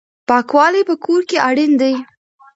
پاکوالی په کور کې اړین دی.